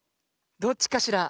どっちかしら？